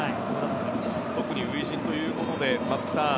特に初陣ということで松木さん